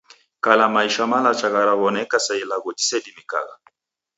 Kala maisha malacha gharaw'oneka sa ilagho jisedimikagha.